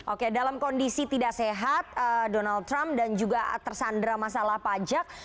oke dalam kondisi tidak sehat donald trump dan juga tersandra masalah pajak